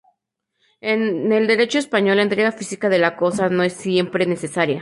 En el Derecho español la entrega física de la cosa no es siempre necesaria.